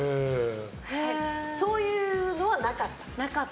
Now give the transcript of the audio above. そういうのはなかった。